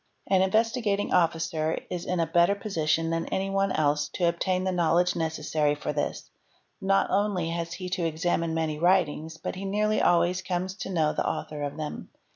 An Investigating Officer is in a better position than any one else to obtain the knowledge necessary for this, not only has he to examine many writings, but he nearly always comes to know the author of them.